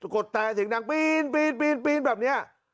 กดแต่เสียงดังปีนแบบนี้